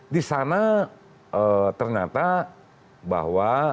di sana ternyata bahwa